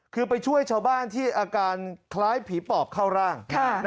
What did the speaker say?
คือไปช่วยชาวบ้านที่อาการคล้ายผีปอบเข้าร่าง